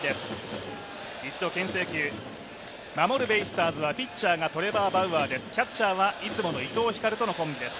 守るベイスターズはピッチャーがトレバー・バウアー、キャッチャーはいつもの伊藤光とのコンビです。